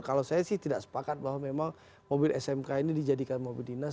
kalau saya sih tidak sepakat bahwa memang mobil smk ini dijadikan mobil dinas